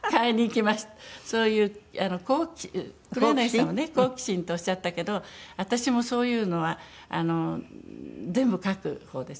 黒柳さんはね「好奇心」とおっしゃったけど私もそういうのは全部書く方です。